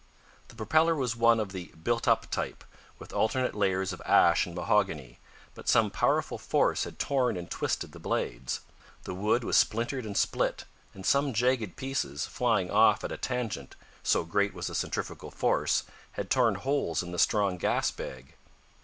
The propeller was one of the "built up" type, with alternate layers of ash and mahogany, but some powerful force had torn and twisted the blades. The wood was splintered and split, and some jagged pieces, flying off at a tangent, so great was the centrifugal force, had torn holes in the strong gas bag.